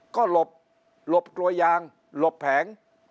ก็หลบหลบกลัวยางหลบแผง